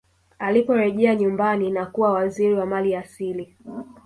aliporejea nyumbani na kuwa waziri wa mali asili